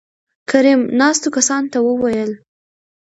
کريم : ناستو کسانو ته وويل